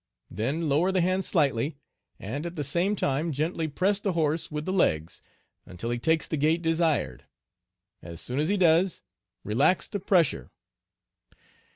Then lower the hands slightly, and at the same time gently press the horse with the legs until he takes the gait desired. As soon as he does, relax the pressure."